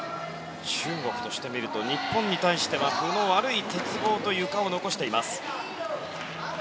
中国としてみると日本に対しては鉄棒とゆかを残しています。